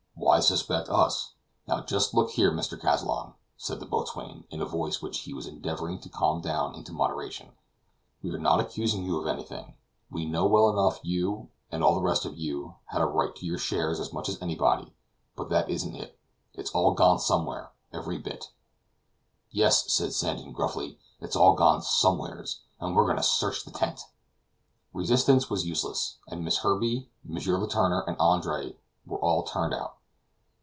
Why suspect us?" "Now just look here, Mr. Kazallon," said the boatswain, in a voice which he was endeavoring to calm down into moderation, "we are not accusing you of anything; we know well enough you, and all the rest of you, had a right to your shares as much as anybody; but that isn't it. It's all gone somewhere, every bit." "Yes," said Sandon gruffly; "it's all gone somewheres, and we are going to search the tent." Resistance was useless, and Miss Herbey, M. Letourneur, and Andre were all turned out.